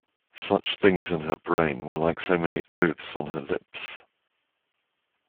Such things in her brain were like so many oaths on her lips.